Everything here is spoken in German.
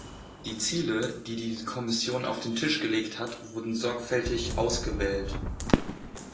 Die Ziele, die die Kommission auf den Tisch gelegt hat, wurden sorgfältig ausgewählt.